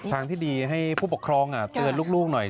ทางที่ดีให้ผู้ปกครองเตือนลูกหน่อย